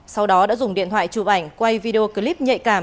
sau đó đã dùng điện thoại chụp ảnh quay video clip nhạy cảm